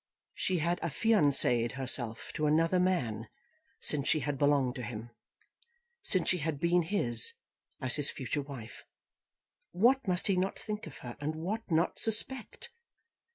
She had affianced herself to another man since she had belonged to him, since she had been his, as his future wife. What must he not think of her, and what not suspect?